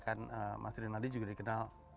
kan mas rinaldi juga dikenal